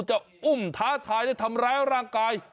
จะอุ้มท้าทายและทำร้ายร่างกาย